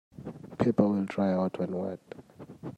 Paper will dry out when wet.